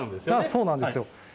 そうなんですよ。